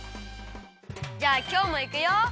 じゃあきょうもいくよ！